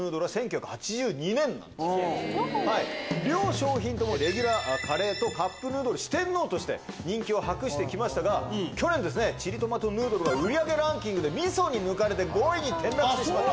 両商品ともレギュラーカレーとカップヌードル四天王として人気を博して来ましたが去年チリトマトヌードルが味噌に抜かれて５位に転落した。